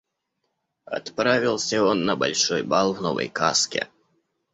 Отправился он на большой бал в новой каске.